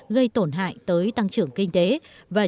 gây tổn hại tới tăng trưởng kinh doanh